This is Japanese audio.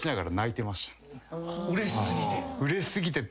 ・うれし過ぎて？